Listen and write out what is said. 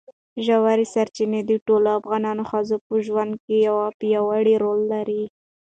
ژورې سرچینې د ټولو افغان ښځو په ژوند کې یو پیاوړی رول لري.